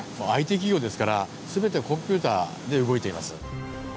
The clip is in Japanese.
ＩＴ企業ですからすべてコンピューターで動いています。